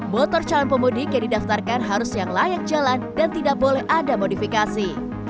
motor calon pemudik yang didaftarkan harus yang layak jalan dan tidak boleh ada modifikasi